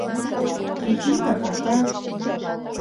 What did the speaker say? Хи-хи да ха-ха!